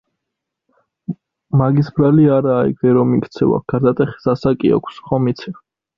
მაგის ბრალი არაა ეგრე რომ იქცევა, გარდატეხის ასაკი აქვს, ხომ იცი.